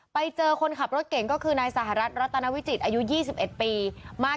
ไปเจอคนขัดรถเก่งก็คือนายสถานรัฐรัตนวิจิตอายุยี่สิบเอ็ดปีมากร้าย